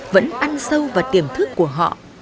vẫn ăn sâu vào tiềm thức của họ